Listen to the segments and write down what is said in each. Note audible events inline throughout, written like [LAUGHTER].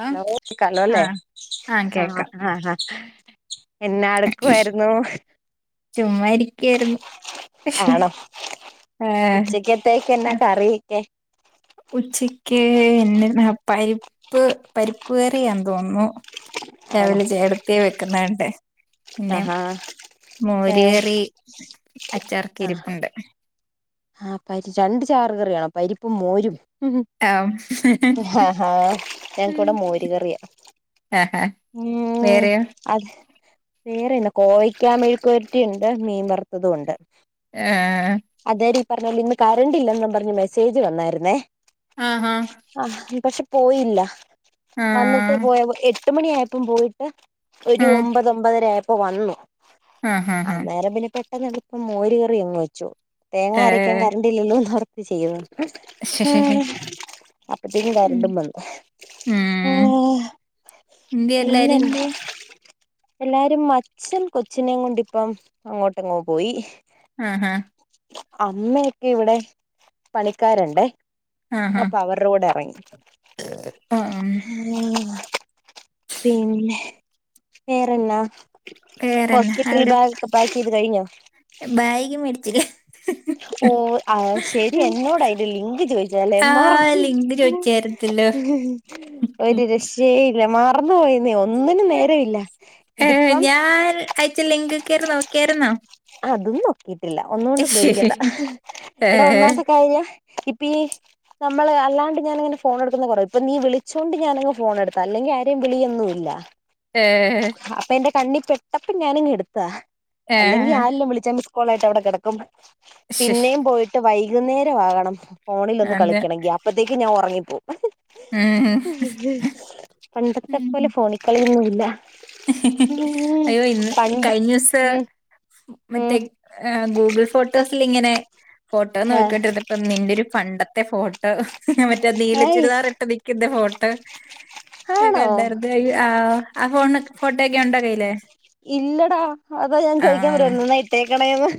ആഹ് ലോ കേക്കാലോലെ ആഹ് ആഹ് അ കേക്കാം അഹ [INAUDIBLE] എന്നാടുക്കുവായിരുന്നു. ചുമ്മാ ഇരിക്കായിരുന്നു ആണോ ഏഹ് ഉച്ചക്കത്തേക്ക് എന്നാ കറി യെക്കെ ഉച്ചക്ക് എന്തെ പരിപ്പ് പരിപ്പ് കറിയാതോന്നുന്നു ആണോ രാവിലെ ചേടത്തിയാ വെക്കുന്നണ്ടേ ന്നെ ആഹാ ഏഹ് മോര്കറി ആഹ് അച്ചാറൊക്കിരിപ്പ്ണ്ട് ആഹ് പരി രണ്ട് ചാറ് കറിയാണോ പരിപ്പും മോരും ഉം ആഹ് ഞങ് ക്കിവിടെ മോര് കറിയാ ആഹാ ഉം വേറെയോ അത് വേറെന്ന കോവക്കാ മെഴിക്കുവരട്ടിയുണ്ട് മീൻവ റുത്തതു ഉണ്ട് എഹ പറഞ്ഞാല് ഇന്ന് കരണ്ടില്ലന്നും പറഞ്ഞ് മെസ്സേജ് വന്നായിരുന്നേ ആഹാ അ ഇനി പഷെ പോയില്ല വന്നിട്ട് ആഹ് പോയപൊ ഏ എട്ട് മണിയായപ്പം പോയിട്ട് ഒരു ആഹ് ഒമ്പത് ഒമ്പതരായ ഇപ്പ വന്നൊ ആഹ് ആഹ് ആഹ് അന്നേരം പിന്നെപ്പെ ട്ടെന്ന് ഞങളിപ്പം മോര് കറി അങ്ങ് വെച്ചു തേങ്ങാ അരയ് അരക്കാൻ ഏഹ് കരണ്ടില്ലല്ലോ എന്ത് ചെയ്യുക ആ ശശേ അപ്പത്തേും ഉം കരണ്ടും വന്നു ഉം ആ എന്ത്യേ എല്ലാരും പിന്നേം എന്ത്യേ എല്ലാരും അച്ഛൻ കൊച്ചിനെയും കൊണ്ട് ഇപ്പം അങ്ങോട്ടങ്ങങ് പോയി ആ ഹ അമ്മയൊക്കെ ഇവിടെ പണിക്കാരിണ്ടേ ആഹാ അപ്പൊ അവരുടെ കൂടെ ഇറങ്ങി ഉം പിന്നെ വേറെന്നാ വേറെന്നാ ഹോസ്പിറ്റൽ അവിടെ ബാഗ് ഒക്കെ പാക്ക് ചെയ്ത് കഴിഞ്ഞോ ബാഗ് മേടിച്ചില്ലേ ഓ ആ ശരി എന്നോട് അതിൻ്റെ ലിങ്ക് ചോദിച്ചേർന്നുലേ ആ മറന്നു ലിങ്ക് ചോദിച്ചായിരുന്നല്ലോ ഉം. ഒരു രക്ഷയില്ല മറന്നു പോയി ഒന്നിനും നേരം ഇല്ല ഏ, ഇതിപ്പം ഞാൻ അയച്ച ലിങ്ക് കയറി നോക്കിയായിരുന്നോ അതും നോക്കിട്ടില്ല ഒന്നുകൊണ്ടും പേടിക്കണ്ട ഏ, എടാ ഒന്നാമത്തെ കാര്യം ഇപ്പ ഈ നമ്മള് അല്ലാണ്ട് ഞാനങ്ങനെ ഫോൺ എടുക്കുന്ന കുറവാ ഇപ്പൊ നീ വിളിച്ചോണ്ട് ഞാനങ്ങ് ഫോൺ എടുത്താ അല്ലെങ്കിൽ ആരെയും വിളിയൊന്നും ഇല്ല ഏ, അപ്പൊ എന്റെ കണ്ണി- കെട്ടപ്പോ ഞാനിങ് എടുത്തു അതാ ഏ, അല്ലെങ്കിൽ ആരെല്ലാം വിളിച്ചാലും കോളായിട്ട് അവിടെ കിടക്കും ശ്ശ്. പിന്നെയും പോയിട്ട് വൈകി- ഇന്നേരം ആകണം ഫോണിൽ അതെ ഒന്നുകളിക്കണെങ്കിൽ അപ്പത്തേക്ക് ഞാൻ ഉറങ്ങി ഉം. പണ്ടത്തെ പോലെ ഫോണിക്കളിയൊന്നും ഇല്ല [INAUDIBLE] അയ്യോ ഇന്ന് പണ്ട് കഴിഞ്ഞ ദിവസം ഉം ഉം മറ്റേ ഗൂഗിൾ ഫോട്ടോസിൽ ഇങ്ങനെ ഫോട്ടോ ഹ നോക്കികൊണ്ടിരുന്നപ്പ നിന്റെ ഒരു പണ്ട- ത്തെ ഫോട്ടോ മറ്റേ ഹയ് നീലച്ചുരിദാർ ഇട്ട് നിൽക്കുന്ന ഫോട്ടോ ആണോ കണ്ടിരുന്ന് ആ ആ ഫോണ് ഇതൊക്കേ ഉണ്ട കയ്യിലേ ഇല്ലടാ അതാ ഞാൻ ചോദിക്കാൻ വരേർന്നു ഇന്നാ ഇട്ടേക്കണേന്ന്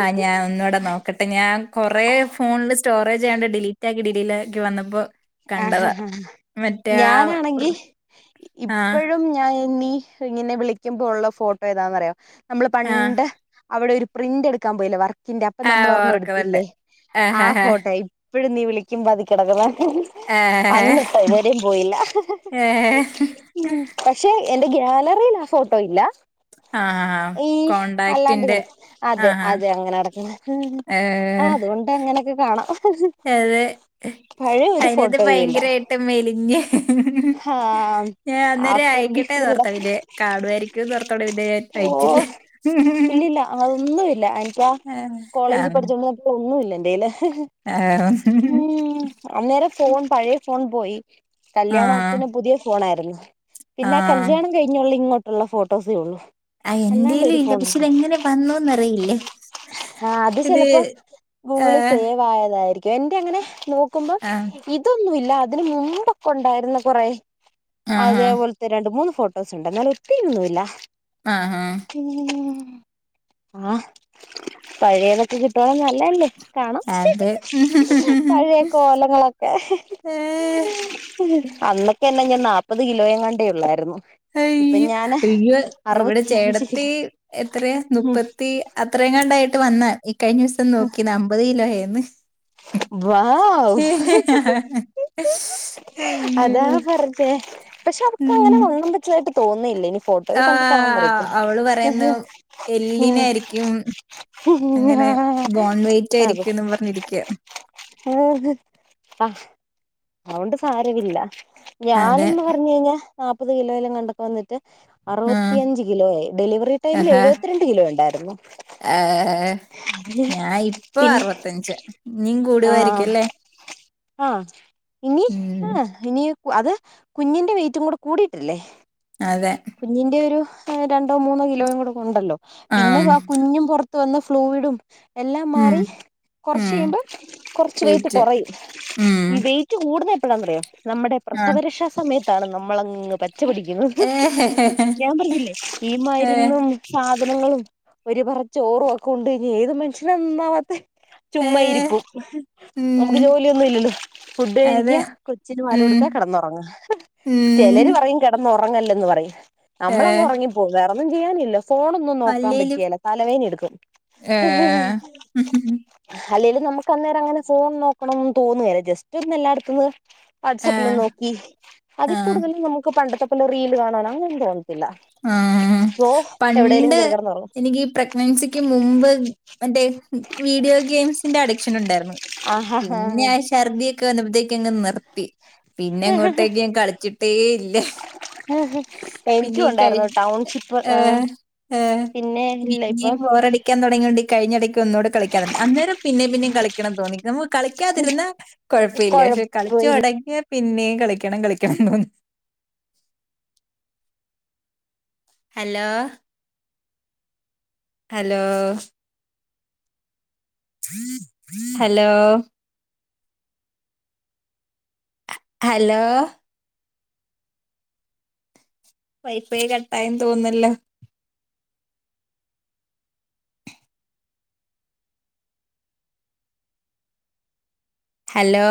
ആ ഞാൻ ഒന്നൂടെ നോക്കട്ടെ ഞാൻ കൊറേ ഫോണില് സ്റ്റോറേജ് ആയോണ്ട് ഡിലീറ്റ് ആക്കി ഡില്ലീ- എനിക്ക് വന്നപ്പോ ആഹ് കണ്ടതാ. ഹാ ഹാ ആ മറ്റേ ആ ഞാനാണെങ്കി ആഹ് ഇപ്പഴും ഞാൻ ൻ നി ഇങ്ങനെ വിളിക്കുമ്പോള്ള ഫോട്ടോ ഏതാന്ന് അറിയോ നമ്മള് ആഹ് പണ്ട് അവിടെ ഒരു പ്രിന്റ് എടുക്കാൻ പോയില്ലേ വർ ന്റെ അപ്പൊ നമ്മൾ ആഹ് ഒരെണ്ണം ഓർക്കുന്നുണ്ട്. എടുത്തില്ലേ ആ ആഹാഹാ ഫോട്ടോയി ഇപ്പഴും നീ വിളിക്കും അത് കിടക്കനേ ആഹാഹാ അന്നിട്ട് ഇവരും പോയില്ല ഏഹ് പക്ഷെ എന്റെ ഗാലറി വോറെ ആ ഫോട്ടോയില്ല ആഹ് ഈ അല്ലാണ്ട് കോണ്ടാക്റ്റിന്റെ കിടക്കുന്ന അതെ ആഹാ അതെ അങ്ങനെ കിടക്കണേ ഉം ആ ഏഹ് അതുകൊണ്ട് അങ്ങനെയൊക്കെ കാണാം പഴയൊരു ഭയങ്കരവായിട്ട് മെലിഞ്ഞ് ആഹ് ഞാൻ അന്നേരം ആഫ്റ്റർ ബിഫോർ അയക്കട്ടെന്നോർത്താ പിന്നെ കാണുമായിരിക്കുംന്നോർത്തോണ്ട് പിന്നെ ഞാൻ ഇടാംഓ അയച്ചില്ല. ഇല്ലില്ല അതൊന്നുമില്ല എനിക്കാ കോളേജിൽ ആഹ് പഠിച്ചോണ്ട് ഒട്ടും ഒന്നുമില്ല എനിക്ക് എന്തേലും ആഹ് ഉം അന്നേരം ഫോൺ പഴയ ഫോൺ പോയി ആഹ് കല്യാണം ഒ ആഹ് പിന്നെ പുതിയ ഫോൺ ആരുന്നു [INAUDIBLE] പിന്നെ ആ കല്യാണം കഴിഞ്ഞുള്ള ഇങ്ങോട്ട് ഉള്ള ഫോട്ടോസേ ഉള്ളൂ ആ അല്ലാണ്ട് എന്തേലും ഒരു ഇല്ല പക്ഷെ ഇതെങ്ങനെ വന്നൂന്നറിയില്ല ആഹ് അത് ഇത് ചിലപ്പോ ഗൂഗിളിൽ ആഹ് സേവ് ആയതായിരിക്കും എന്റെ അങ്ങനെ നോക്ക നോക്കുമ്പം ആഹ് ഇതൊന്നുമില്ല എടാ അതിന് മുമ്പൊക്കെ ഉണ്ടായിരുന്നു കൊറെ ആഹാ അതെ പോലെത്തെ രണ്ട് മൂന്ന് ഫോട്ടോസ് ഉണ്ട് എന്നാലും ഒത്തിരിയൊന്നുല്ല ആഹാ ഉം ആഹ് പഴയതൊക്കെ കിട്ടണെ നല്ലല്ലേ കാണാം അതെ പഴയ കോലങ്ങളൊക്കെ ഏഹ് അന്നൊക്കെ എന്നെ ഞാൻ നാല്പ്പത് കിലോ എങ്ങാണ്ടേ ഒള്ളായിരുന്നു അയ്യോ ഇയ്യോ ഇവിടെ അറുപത്തിയഞ്ച് ചേടത്തി കിലോ എത്രയാ മുപ്പത്തി അത്രയെങ്ങാണ്ട് ആയി ട്ടു വന്ന് കഴിഞ്ഞ ദിവസം നോക്കിന്ന് അമ്പത് കിലോയേ ന്ന് വൗ അയ്യോ അതാ പറഞ്ഞെ പക്ഷെ അവക്ക് ഉം അങ്ങനെ വണ്ണം വെ ച്ചയായിട്ട് തോന്നിയില്ലിനി ഫോട്ടോയി കണ്ടിട്ട് ആണോന്ന് ആഹ് അറിയത്തില്ല അവള് പറയുന്നു എല്ലിനായിരിക്കും ഉം അങ്ങനെ ബോൺ വെയിറ്റ് അതേ ആയിരിക്കുംന്ന് പറഞ്ഞിരിക്ക ആ അതോണ്ട് സാരവില്ല അതെ ഞാനെന്ന് പറഞ്ഞ് കഴിഞ്ഞാ നാപ്പത് കിലോയിലെങ്ങാണ്ടക്കെ വന്നിട്ട് ആഹ് അറുപത്തിയഞ്ച് കിലോ ആയി ഡെലിവറി ടൈമിൽ ആഹാ എഴുപത്തിരണ്ട് കിലോ ഉണ്ടായിരുന്നു ഏഹ് പിന്നെ പിന്നെ ഇനീം കൂടുവായിരിക്കുല്ലേ ആഹ് ഇനീ ആഹ് ഇനിയും അത് കുഞ്ഞിന്റെ വെയിറ്റും കൂടെ കൂടിയിട്ടല്ലേ അതെ കുഞ്ഞിന്റെ ഒരു [UNINTELLIGIBLE] രണ്ടോ മൂന്നോ കിലോയും കൂടെ ഒണ്ടല്ലോ പിന്നെ ആഹ് വാ കുഞ്ഞും പൊറ വന്ന ഫ്ലൂയിഡും എല്ലാം ഉം മാറി കുറച്ച് ഉം കഴിയുമ്പം കുറച്ച് വെയിറ്റ് കുറയും ഉം ഈ വെയിറ്റ് കൂടുന്നെ എപ്പളാന്നറിയോ നമ്മടെ ആഹ് പ്രസവരക്ഷാ സമയ ത്താണ്‌ നമ്മളങ്ങ് പ ച്ച പിടിക്കുന്നത് ഏഹ് ഞാൻ പറഞ്ഞില്ലേ ഈ ഏഹ് മരുന്നും സാ ധനങ്ങളും ഒരു പറ ചോറുവൊക്കെ ഉണ്ട് കഴിഞ്ഞാ ഏത് മനുഷ്യനാ നന്നാവാത്തെ ചുമ്മാ ഏഹ് ഇരിപ്പും നമുക്ക് ഉം ജോലിയൊന്നും ഇല്ലല്ലോ ഫുഡ് അതെ കഴിക്കാ കൊച്ചിന് പാല് ഉം കൊടുക്കാ കിടന്നുറങ്ങാ ഉം ചിലര് പറയും കിടന്നൊ ഉറങ്ങല്ലെന്ന് പറയും നമ്മളങ്ങ് ഏഹ് ഉറങ്ങിപ്പോവും വേ ഒന്നും ചെയ്യാനില്ലോ ഫോണൊന്നും നോക്കാൻ അല്ലേലും പറ്റിയേല തലവേന എടുക്കും ഏഹ് അല്ലേല് നമുക്ക് അന്നേരം അങ്ങനെ ഫോൺ നോക്കണംന്ന് തോന്നുകേല ജസ്റ്റ് ഒന്ന് എല്ലായിടത്തന്ന് വാട്സ്അപ്പിൽ ഏഹ് നോക്കി അതിൽ ആഹ് കൂടുതലും നമുക്ക് പണ്ടത്തെ [UNINTELLIGIBLE] റീൽ കാണാൻ അങ്ങനെ [UNINTELLIGIBLE] ആ എവിടേലും പണ്ട് കേറി കിടന്നുറങ്ങും എനിക് പ്രെഗ്നൻസി ക്ക് മുമ്പ് മറ്റേ വീഡിയോഗെയിംസ്ന്റെ അട ക്ഷനുണ്ടായിരുന്നു ആഹാ ഹാ പിന്നെ ആ ഛർദി ക്കനംതേക്കനെനിർത്തി പിന്നെ അങ്ങോട്ടേക്ക് ഞൻ കളിച്ചിട്ടേ ഇല്ല പിന്നെ എനിക്കും ഈ കഴി ഉണ്ടായിർന്നു ടൗൺഷിപ്പ് ആ ഏഹ് ഏഹ് പിന്നെ കഴിഞ്ഞടക് ഒന്നോട് കളിക്കാൻ തുടങ്ങി അന്നേരം പിന്നെ പിന്നെയും കളിക്കണം തോന്നി നമ്മ കളിക്കാതിരുന്ന കുഴപ്പില്ല പഷേ കളിച്ചു കൊഴപ്പ തുടങ്ങിയ പിന്നെയും കളിക്കണം കളിക്കണം തോന്നു hello hello hello hello wifi കട്ടായെന്ന് തോന്നല്ലോ ഹലോ